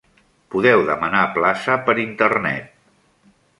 Podeu demanar plaça per Internet.